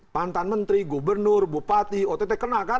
pantan menteri gubernur bupati ott kena kan